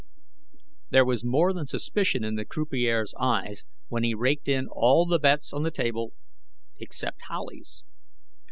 There was more than suspicion in the croupier's eyes when he raked in all the bets on the table except Howley's.